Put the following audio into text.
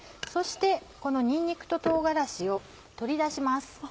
そしてこのにんにくと唐辛子を取り出します。